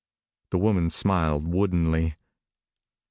The woman smiled woodenly.